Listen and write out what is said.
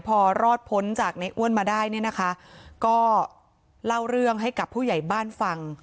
พอรอดพ้นจากในอ้วนมาได้เนี่ยนะคะก็เล่าเรื่องให้กับผู้ใหญ่บ้านฟัง